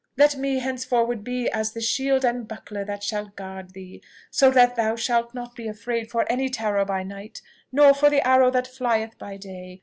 Let me henceforward be as the shield and buckler that shall guard thee, so that thou shalt not be afraid for any terror by night, nor for the arrow that flieth by day.